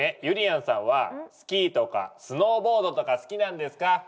ゆりやんさんはスキーとかスノーボードとか好きなんですか？